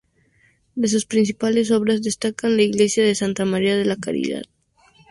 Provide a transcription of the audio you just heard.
De sus principales obras destacan la Iglesia de santa maría de la Caridad.